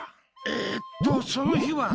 えと、その日は。